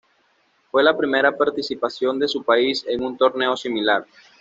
Fue la primera participación de su país en un torneo similar.